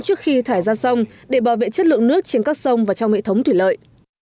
trước khi thải ra sông để bảo vệ chất lượng nước trên các sông và trong hệ thống thủy lợi